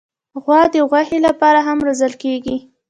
غوا د غوښې لپاره هم روزل کېږي.